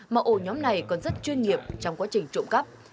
mà ổ nhóm này còn rất chuyên nghiệp trong quá trình trộm cắp